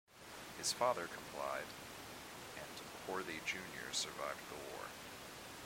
His father complied, and Horthy Junior survived the war.